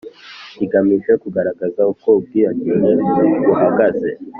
rigamije kugaragaza uko ubwiyongere buhagaze